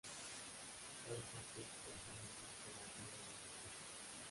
Todos estos topónimos se mantienen en la actualidad.